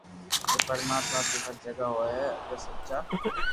ھين پرماتما تو ھر جگھ ھوئي تو اگر سچا